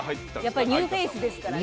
やっぱりニューフェースですからね。